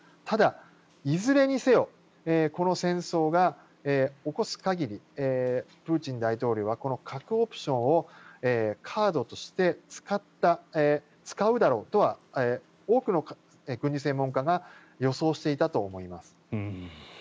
ただ、いずれにせよこの戦争が起こす限り、プーチン大統領はこの核オプションをカードとして使うだろうとは多くの軍事専門家が予想していたと思います。